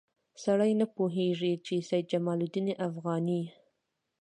سړی نه پوهېږي چې سید جمال الدین افغاني.